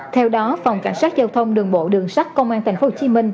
theo đó phòng cảnh sát giao thông đường bộ đường sắt công an tp hcm